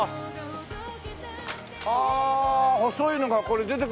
ああ細いのがこれ出て。